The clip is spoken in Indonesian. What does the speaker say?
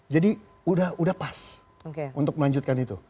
jadi udah pas untuk melanjutkan itu